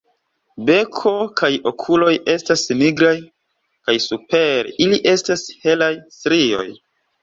Beko kaj okuloj estas nigraj kaj super ili estas helaj strioj.